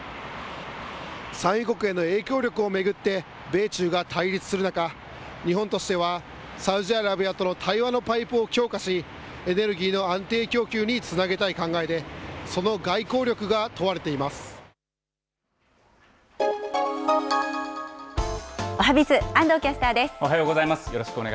産油国への影響力を巡って、米中が対立する中、日本としてはサウジアラビアとの対話のパイプを強化し、エネルギーの安定供給につなげたい考えで、その外交力が問われておはＢｉｚ、おはようございます。